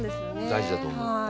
大事だと思う。